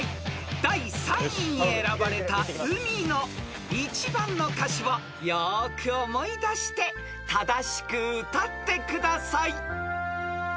［第３位に選ばれた『うみ』の１番の歌詞をよーく思い出して正しく歌ってください］